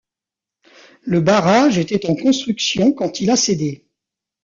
Le barrage était en construction quand il a cédé.